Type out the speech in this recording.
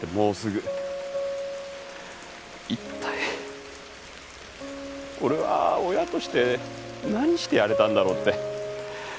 一体俺は親として何してやれたんだろうって。